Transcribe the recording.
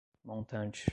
montante